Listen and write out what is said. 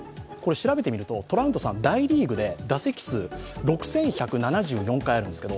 調べてみるとトラウトさん大リーグで打席数６１７４回あるんですよ